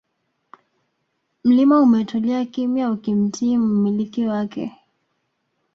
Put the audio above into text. Mlima umetulia kimya ukimtii mmiliki wake